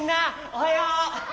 おはよう！